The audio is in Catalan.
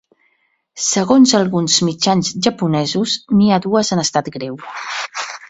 Segons alguns mitjans japonesos, n’hi ha dues en estat greu.